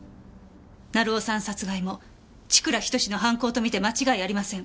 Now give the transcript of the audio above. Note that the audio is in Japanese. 成尾さん殺害も千倉仁の犯行と見て間違いありません。